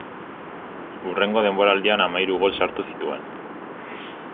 Hurrengo denboraldian hamahiru gol sartu zituen.